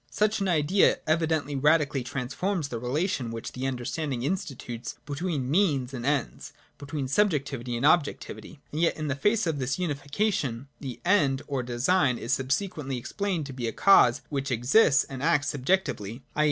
58.] Such an Idea evidently radically transforms the relation which the understanding institutes between means and ends, between subjectivity and objectivity. And yet in the face of this unification, the End or design is subsequently explained to be a cause which exists and acts subjectively, i.